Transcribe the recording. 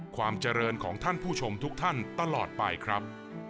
ความเจริญของท่านผู้ชมทุกท่านตลอดไปครับ